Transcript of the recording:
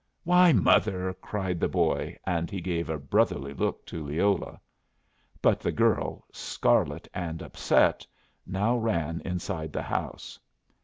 "Why, mother!" cried the boy, and he gave a brotherly look to Leola. But the girl, scarlet and upset, now ran inside the house.